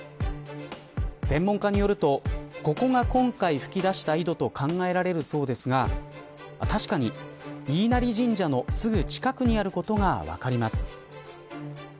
専門家によるとここが今回噴き出した井戸と考えられるそうですが確かに飯生神社のすぐ近くにあることが分かります。